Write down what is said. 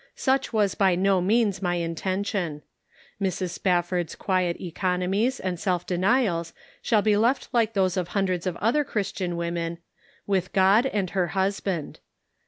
Such was by no means my intention. Mrs. 320 The Ends Meet. 321 Spafford's quiet economies and self denials shall be left like those of hundreds of other Chris tian women, with God and her husband.